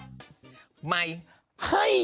ใส่ใหญ่